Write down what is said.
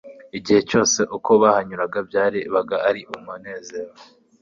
Igihe cyose uko bahanyuraga byabaga ari umunezero,